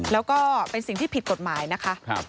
แล้วก็เป็นสิ่งที่ผิดกฎหมายนะคะ